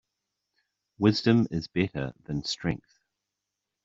Wisdom is better than strength.